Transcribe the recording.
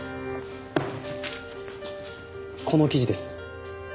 この記事です。